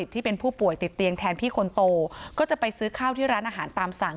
ที่เป็นผู้ป่วยติดเตียงแทนพี่คนโตก็จะไปซื้อข้าวที่ร้านอาหารตามสั่ง